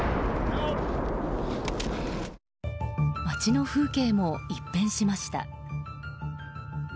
街の風景も一変しました。